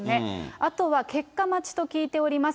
あとは結果待ちと聞いております。